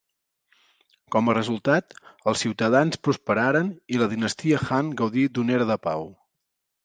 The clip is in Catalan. Com a resultat, els ciutadans prosperaren i la dinastia Han gaudí d'una era de pau.